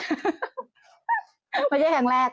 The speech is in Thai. ไม่ใช่ครั้งแรกไม่ใช่ครั้งแรก